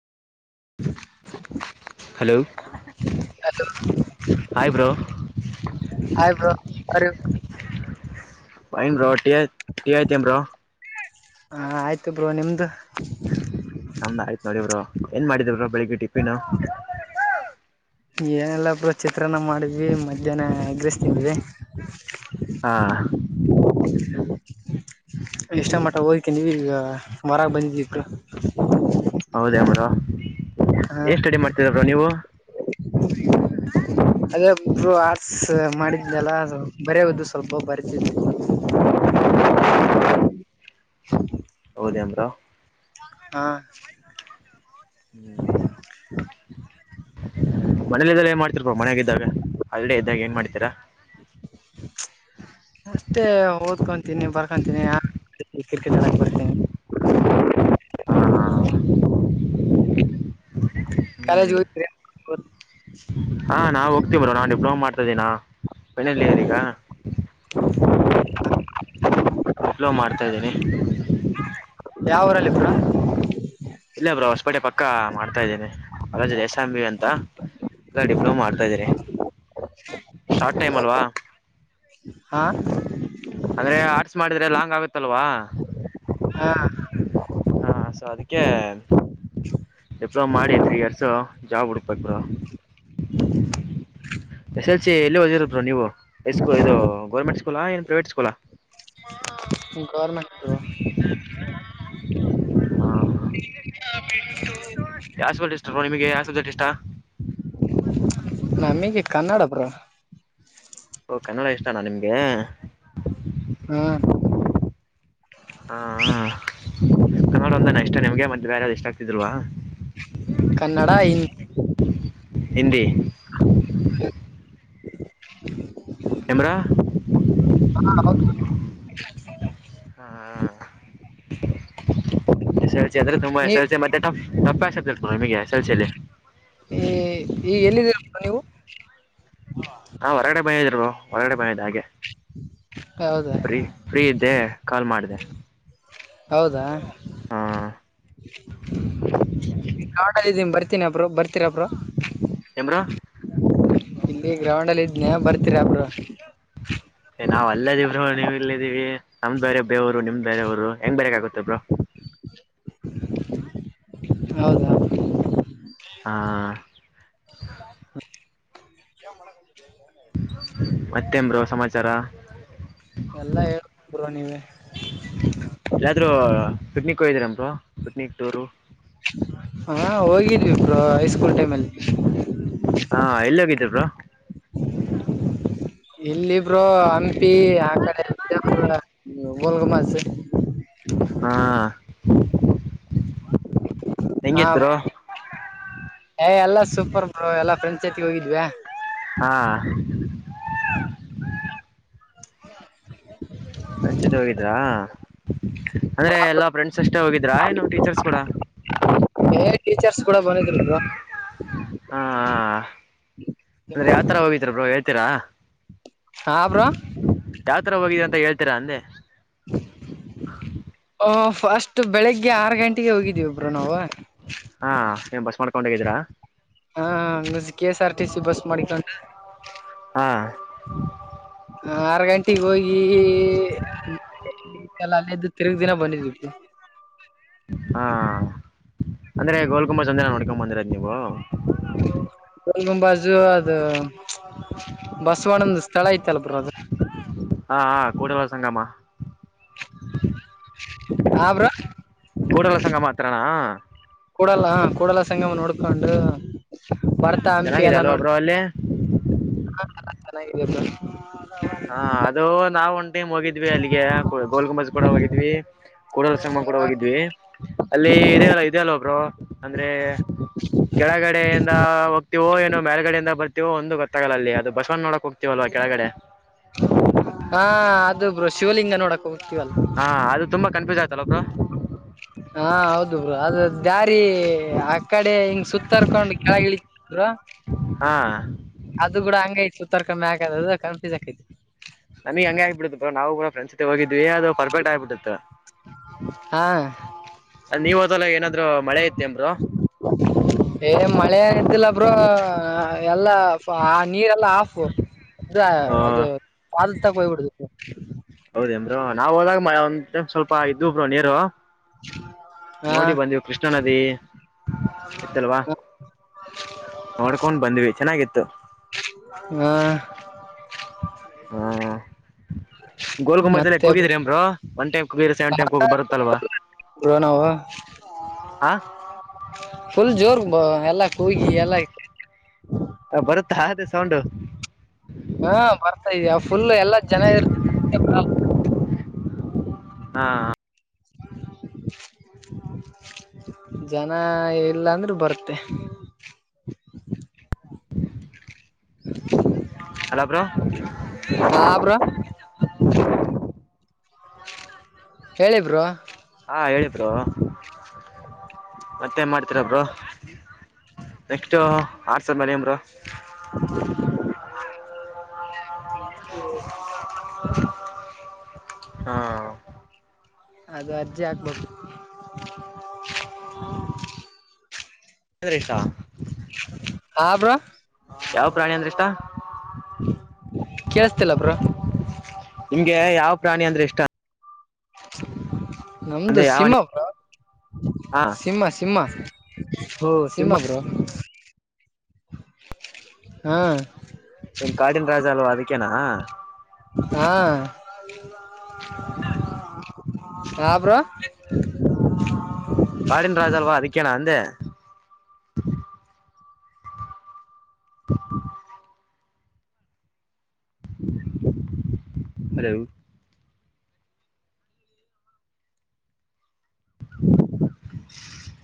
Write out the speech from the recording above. [inaudible] Hello. Hello. Hi bro. Hi bro. Fine ಬೋ ಟಿ tea ಆಯ್ತಾ ಎನ್ರೋ. ಹ ಆಯ್ತು ಬ್ರೋ ನಿಮ್ದು. ನಮ್ದ್ ಆಯ್ತ್ ನೋಡಿದ್ರು ಏನ್ ಮಾಡಿದವರು ಬೆಳಿಗ್ಗೆ ಟಿಫನ್ನು. [unintelligible] ಏನೆಲ್ಲಬ್ರ ಚಿತ್ರಾನ್ನ ಮಾಡಿದ್ವಿ ಮಧ್ಯಾಹ್ನ ಅಗ್ರೆಸ್ ತಿಂದ್ವಿ. ಹಾ ಇಷ್ಟ ಮಟ್ಟ ಹೋಗಕ್ಕೆ ನೀವೀಗ ಮರಕ್ಕೆ ಬಂದಿದ್ದವಿ ಕ ಹೌದ ಬ್ರೋ ಏನ್ ಸ್ಟಡಿ ಮಾಡ್ತರ್ರ ನೀವು. ಅದೇ ಒಬ್ಬರು ಆರ್ಟ್ಸ್ ಮಾಡಿದ್ಲಲ್ಲ ಬರೆಯೋವದು ಸ್ವಲ್ಪ ಬರ್ತಿದ್ದು. ಹಾ ಹ [unintelligible] ಹೌದಮ್ರ ಬ್ರೋ. ಹಾ ಹ್ಮ್ ಹೂ ಮನೇಲಿ ಇದ್ರ ಏನ್ ಮಾಡ್ತರ್ಪ್ಪ ಮನಯಾಗಿದ್ದಾಗ ಅಲ್ಡೆ ಇದ್ದಾಗ ಏನ್ ಮಾಡ್ತೀರಾ ಹ ಅಷ್ಟೇ ಓದ್ಕೊಂತೀನಿ ಬರ್ಕೊಂತೀನಿ ಆಡ್ ಕ್ರಿಕೆಟ್ ಆಡಕೆ ಬರ್ತೀನಿ ಹಾ ಹಾ ಹಾ ಕಾಲೇಜ್ ಹ್ಮ್ ಹೋಗ್ತೀರಾ ಹಾ ನಾವು ಹೋಗ್ತೀ ಬ್ರೋ ನಾನ್ ಡಿಪ್ಲೊಮಾ ಮಾಡ್ತದಿನೋ ಪೈನಲಿಯರ್ ಈಗ ಡಿಪ್ಲೊಮ ಮಾಡ್ತಾ ಇದ್ದೀನಿ ಯಾವ ಊರಲ್ಲಿ ಬ್ರೋ ಇಲೆ ಬ್ರೋ ಹೊಸಪೇಟೆ ಪಕ್ಕ ಮಾಡ್ತಾ ಇದ್ದೀನಿ ಕಾಲೇಜ್ ಎಸ್ ಎಂ ಬಿ ಅಂತ ಡಿಪ್ಲೊಮಾ ಮಾಡ್ತಾ ಇದ್ದೀರಿ ಶಾರ್ಟ್ ಟೈಮ್ ಅಲ್ವಾ ಹಾ ಅಂದ್ರೆ ಆರ್ಟ್ಸ್ ಮಾಡಿದ್ರೆ ಲಾಂಗ್ ಆಗುತ್ತಲ್ವಾ ಹಾ ಹಾ ಸೊ ಅದಕ್ಕೆ ಡಿಪ್ಲೋಮ್ ಮಾಡಿ ತ್ರೀ ಇಯರ್ಸ್ ಜಾಬ್ ಹುಡ್ಕಬೇಕು ಬ್ರೋ ಎಸ್ ಎಲ್ ಸಿ ಎಲ್ಲಿ ಓದಿರರು ಬ್ರೋ ನೀವು ಐಸ್ಕೂಲ್ ಇದು ಗೌರ್ಮೆಂಟ್ ಸ್ಕೂಲ ಏನ್ ಪ್ರೈವೇಟ್ ಸ್ಕೂಲ ಹ್ಮ್ ಗೌರ್ಮೆಂಟ್ ಹಾ ಬಿನಿ ಯ ಇಷ್ಟ ಬ್ರೋ ನಿಮಗೆ ಯ ಸಬ್ಸಿಟ್ ಇಷ್ಟ ನಮಿಗೆ ಕನ್ನಡ ಬ್ರೋ ಓ ಕನ್ನಡ ಇಷ್ಟನ ನಿಮ್ಗೆ ಹ್ಮ್ ಹಾ ಹಾ ಕನ್ನಡ ಒಂದಾನ ಎಷ್ಟ ನಿಮ್ಗೆ ಮತ್ತೆ ಬೇರೆ ಯಾದು ಇಷ್ಟಾಗ್ತಿದಲ್ವಾ ಕನ್ನಡ ಹಿಂದ ಹಿಂದಿ ಏನ್ ಬ್ರೋ ಹಾ ಹೌದು ಹ ಹಾ ಸ ಯಾದ್ರು ತುಂಬಸೆ ಎಸ್ ನೀವ್ ಲ್ ಸಿ ತಪ್ಪ ಮತ್ತೆ ತಪ್ಪಸತಿ ನಿಮಗೆ ಸಲ್ಸಲ್ಲಿ ಈ್ಮ ಈಗ ಎಲ್ಲಿದ್ದೀರಪ್ಪ ನೀವು ಹಾ ಹೊರಗಡೆ ಬ್ರೋ ಹೊರಗಡೆ ಬಂದಿದೆ ಹಾಗೆ ಹೌದಾ ಬ್ರೀ ಫ್ರೀ ಇದ್ದೆ ಕಾಲ್ ಮಾಡಿದೆ ಹೌದಾ ಹಾ ಕಾಡಗಿದೀನಿ ಬರ್ತಿ ರ್ತೀನಿ ಬ್ರೋ ಬರ್ತರ ಬಬ್ರೋ ಎನ್ ಬ್ರೋ ಇಲ್ಲಿ ಗ್ರೌಂಡ್ ಅಲ್ಲಿ ಇದ್ನೇ ಬರ್ತೀರ ಒಬ್ರು ಹ್ಮ ನಾವ್ ಅಲ್ಲದಿವಿ ಬ್ರೋ ನೀವು ಇಲ್ಲಿದ್ದೀವಿ ನಮ್ದ್ ಬೇರೆ ಊ ರು ನಿಮ್ ಬೇರ ಊರು ಹೆಂಗ್ ಬರಕಾಗುತ್ತೆ ಬ್ರೋ ಹೌದ ಹಾ ಮತ್ತೆ ಏನ್ ಬ್ರೋ ಸಮಾಚಾರ ಎಲ್ಲ ಹೇಳ್ಬೇಕು ಬ್ರೋ ನೀವೇ ಎಲ್ಲಾದ್ರು ಪಿಕ್ನಿಕ್ ಹೋಗಿದಿರನ್ ಬ್ರೋ ಪಿಕ್ನಿಕ್ ಟೂರು ಹಾ ಹೋಗಿದ್ವಿ ಬ್ರೋ ಹೈಸ್ಕೂಲ್ ಟೈಮ್ ಅಲ್ಲಿ ಹಾ ಎಲ್ಲಿ ಹೋಗಿದ್ದೆ ಬ್ರೋ ಇಲ್ಲಿ ಬ್ರೋ ಹಂಪಿ ಆ ಕಡೆ ವಿಜಾಪುರ ಗೋಲ್ ಗುಂಬಜ್ ಹಾ ಹಾ ಹೆಂಗಿತ್ ಬ ಬ್ರೋ ಎಲ್ಲಾ ಸೂಪರ್ ಬ್ರೋ ಎಲ್ಲಾ ಫ್ರೆಂಡ್ಸ್ ಜೋತಿಗೆ ಹೋಗಿದ್ವಿ ಹಾ ಫ್ರೆಂಡ್ಸ್ ಜೊತೆ ಹೋಗಿದ್ರಾ ಅಂದ್ರೆ ಎಲ್ಲಾ ಫ್ರೆಂಡ್ಸ್ ಅಷ್ಟೇ ಹೋಗಿದ್ರಾ ಏನು ಟೀಚರ್ಸ್ ಕೂಡಾ ಟೀಚೆರ್ಸ್ ಕೂಡಾ ಬಂದಿದ್ರು ಬ್ರೋ ಹಾ ಅಂದ್ರೆ ಯಾವತರಾ ಹೋಗಿದ್ರ ಬ್ರೋ ಹೇಳ್ತೀರಾ ಹಾ ಬ್ರೋ ಯಾವ್ ತರಾ ಹೋಗಿದ ಅಂತಾ ಹೇಳ್ತೀರಾ ಅಂದೆ ಹ ಫಸ್ಟ್ ಬೆಳಿಗ್ಗೆ ಆರು ಗಂಟೆಗೆ ಹೋಗಿದಿವಿ ಬ್ರೋ ನಾವು ಹಾ ಏನ್ ಬಸ್ ಮಾಡ್ಕೊಂಡ ಹೋಗಿದೀರಾ ಹಾ K S R T C bus ಮಾಡಿಕೊಂಡು ಹಾ ಆರ ಗಂಟೆಗೆ ಹೋಗಿ ಇ ಕಲ್ಲ ಅಲ್ಲೇದು ತಿರುಗ ದಿನ ಬಂದಿದಿವಿ ಹಾ ಅಂದ್ರೆ ಗೋಲ್ ಗುಮ್ಮಜ್ ಒಂದೇ ನೋಡ್ಕೊಂಡ್ ಬಂದಿರೊದಾ ನೀವು [unintelligible] ಸಲ್ಗಂಬಾಜು ಅದು ಬಸವಣ್ಣಂದ್ ಸ್ಥಳ ಐತಲ್ ಬ್ರೋ ಅದು ಹಾ ಹಾ ಕೂಡವಸಂಗಮಾ ಹಾ ಬ್ರೋ ಕೂಡಲಸಂಗಮ ಹತ್ರಾನಾ ಕೂಡಲ ಕೂಡಲ ಸಂಗಮ ನೋಡ್ಕೊಂಡು ಭರ್ತ ಹಂಪಿ ಚೆನ್ನಾಗಿದೆ ಎಲ್ಲಾ ನೋಡ್ [unintelligible] ಹ್ ಚೆನ್ನಾಗಿದ್ದಾ ಬ್ರೋ ಹಾ ಅದು ನಾವ್ ಒಂದ ಟೀಮ್ ಹೋಗಿದ್ವಿ ಅಲ್ಲಿಗೆ ಗೋಲ್ ಗುಂಬಜ್ ಕೂಡ ಹೋಗಿದ್ವಿ ಕೂಡಲ ಸಂಗಮ ಕೂಡಾ ಹೋಗಿದ್ವಿ ಅಲ್ಲಿ ಇದೆ ಅಲ್ಲ ಇದೆ ಅಲ್ ಬ್ರೋ ಅಂದ್ರೆ ಕೆಳಗಡೆ ಯಿಂದ ಬರ್ವೋ ಏ ಮೇಲ್ಗಡಿಂದ ಬರ್ತವೋ ಒಂದು ಗೊತ್ತಾಗಲ್ಲ ಅದು ಬಸವಣ್ಣ ನೋಡಕ್ ಹೋಗ್ತಿವಲ್ವಾ ಕೆಳಗಡೆ ಹಾ ಅದು ಬ್ರೋ ಶಿವಲಿಂಗ ನೋಡಕ್ ಹೋಗ್ತೀವಲಾ ಹಾ ಅದು ತುಂಬ ಕನ್ಸಪುಜ್ ಆಗ ಹಾ ಹೌದು ಬ್ರೋ ಅದು ದಾರಿ ಆ ಕಡೆ ಹಂ ಸುತ್ತಾರ್ಕೊಂಡ ಕೆಳಗಿಳಿ ಬ್ರೋ ಹಾ ಅದು ಬೀಡು ಹಂಗೈ ಐತ ತರಾಕಮ್ಮಿ ಆಗ ಅದು ಕನಫೀಸ್ ಆಕೈತಿ ಹನಿ ಹನಿ ಆಗಿ ಬಿಡುತ್ತೆ ಬ್ರೋ ನಾವು ಹಂ ಆಗ್ಬಿಡತ್ತು ನಾವು ಕೂಡ ಬ್ಯಾಸಗಾಗ ಹೋಗಿದ್ದಿವಿ ಅ ಪರ್ಕ್ ಆಗಿ ಬಿಟ್ಟಿರುತ್ತ ಹಾ ಅ ನೀವ ಹೊದಲ್ಲಾ ಏನಾದ್ರು ಮಳೆ ಇತ್ತನ್ ಬ್ರೋ ಏ ಮಳೆ ಇದ್ದಿಲ್ಲ ಬ್ರೋ ಎಲ್ಲಾ ಆ ನೀರೆಲ್ಲಾ ಆಫ್ ಅ ಬ್ರೋ ಅದು ಪಾದ ತ ಹೋಗ್ ಬಿಡತಿತ್ ಹೌದೇನ್ ಬ್ರೋ ನಾವ್ ಹೋದಾಗ ಒಂದ ಸ್ವಲ್ಪ ಇದ್ದು ನೀರು ಹಾ ನೋಡಿ ಬಂದಿವು ಕೃಷ್ಣಾ ನದಿ ಇತ್ತಲ್ವಾ ನೋಡ್ಕೊಂಡ್ ಬಂದ್ವಿ ಚೆನ್ನಾಗಿತ್ತು ಹ್ ಹಾ ಗೋಲ್ ಗುಂಬಜ್ ಲ್ಲಿ ಮತ್ತೆ ಕೂಗಿದ್ರಾ ಬ್ರೋ ಒನ್ ಟೈಮ್ ಕೂಗಿದ್ರ ಸವೆನ್ ಟೈಮ್ ಕೂಗ ಬರುತ್ತಲ್ವಾ [unintelligible] ಆ ಫುಲ್ ಜೋರ್ ಎಲ್ಲಾ ಕೂಗಿ ಎಲ್ಲಾ ಇ ಹ ಬರುತ್ತಾ ಅದು ಸೌಂಡು ಹಾ ಬರ್ತಾ ಇದಯ ಫುಲ್ ಎಲ್ಲಾ ಜನ ಇರ್ ಹಾ ಜನ ಇಲ್ಲಾ ಅಂದ್ರೆ ಬರುತ್ತೆ [unintelligible] ಹಲೋ ಬ್ರೋ ಹಾ ಬ್ರೋ ಹೇಳಿ ಬ್ರೋ ಹಾ ಹೇಳಿ ಬ್ರೋ [unintelligible] ಮತ್ತೆನ್ ಮಾಡ್ತಿರಾ ಬ್ರೋ ನೆಕ್ಟ್ ಆರ್ ಸಾವಿರ ಮಾಡೀನಿ ಬ್ರೋ [unintelligible] ಹ್ಮ [inaudible] ಹ್ಮ ಅದು ಅರ್ಜಿ ಹಾಕ್ಬೇಕು ಇಷ್ಟ ಹಾ ಬ್ರೋ ಯಾವ ಪ್ರಾಣಿ ಅಂದ್ರೆ ಇಷ್ಟ ಕೇಳಸ್ತಿಲ್ಲ ಬ್ರೋ ನಿಮ್ಗೆ ಯಾವ ಪ್ರಾಣಿ ಅಂದ್ರೆ ಇಷ್ಟ ನಮ್ದು ಅಂದ್ರೆ ಯಾವ ಸಿಂಹ ಬ್ರೋ ಹಾ ಸಿಂಹ ಸಿಂಹ ಸಿಂಹ ಬ್ರೋ ಹಾ ಕಾಡಿನ ರಾಜ ಅಲ್ವಾ ಅದಕ್ಕೇನಾ ಹಾ ಹ ಬ್ರೋ [unintelligible] ಕಾಡಿನ ರಾಜಾ ಅಲ್ವ ಅದಕ್ಕೆ ನಾ ಅಂದೆ [inaudible] [unintelligible] ಅದದೇ [unintelligible]